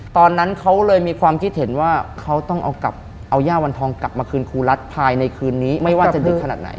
ตอนนั้นเขาเลยมีความคิดเห็นว่าเขาต้องเอาย่าวันทองกลับมาคืนครูรัฐภายในคืนนี้ไม่ว่าจะดึกขนาดไหน